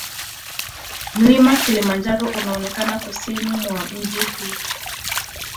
Mlima Kilimanjaro unaonekana kusini mwa mji huu.